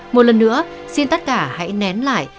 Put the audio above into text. một lần nữa xin tất cả hãy nén lại